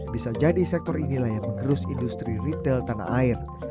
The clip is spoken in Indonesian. bisa jadi sektor inilah yang mengerus industri retail tanah air